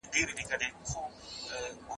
د ميرمني لپاره دا ساتنه ولي اړينه ده؟